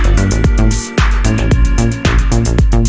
ถ้าคุณว่าให้เรียนรองกันก็เดี๋ยวนะครับ